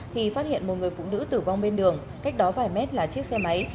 thì phát hiện một người phụ nữ tử vong bên đường cách đó vài mét là chiếc xe máy